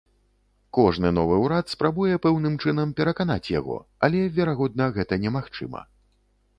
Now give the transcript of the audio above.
Кожны новы ўрад спрабуе пэўным чынам пераканаць яго, але, верагодна, гэта немагчыма.